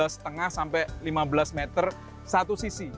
dua belas lima sampai lima belas meter satu sisi